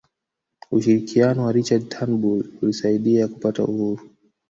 ushirikiano wa richard turnbull ulisaidia kupata uhuru